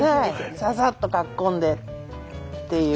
ささっとかっ込んでっていう。